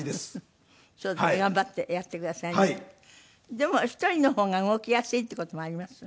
でも１人の方が動きやすいっていう事もあります？